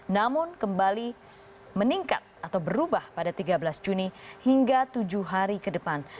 namun kembali meningkat atau berubah pada tiga belas juni hingga tujuh hari ke depan